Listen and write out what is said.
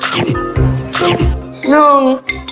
หนึ่ง